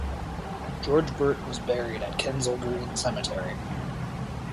George Burt was buried at Kensal Green Cemetery.